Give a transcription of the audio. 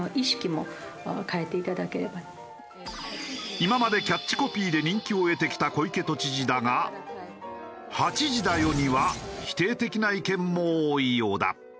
今までキャッチコピーで人気を得てきた小池都知事だが「８時だよ！」には否定的な意見も多いようだ。